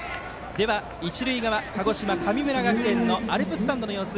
一塁側、鹿児島、神村学園のアルプススタンドの様子